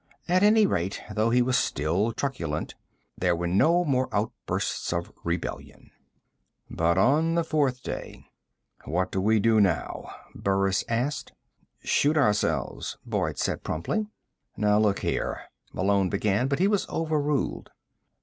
At any rate, though he was still truculent, there were no more outbursts of rebellion. But, on the fourth day: "What do we do now?" Burris asked. "Shoot ourselves," Boyd said promptly. "Now, look here " Malone began, but he was overruled.